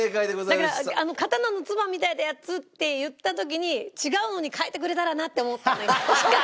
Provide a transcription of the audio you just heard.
だから刀のツバみたいなやつって言った時に違うのに変えてくれたらなって思ったんだけど。